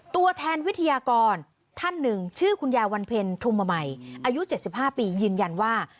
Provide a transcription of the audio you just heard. ตัวแทนวิทยากรท่านหนึ่งชื่อคุณยายวันเพ็ญธุมมัยอายุ๗๕ปียืนยันว่า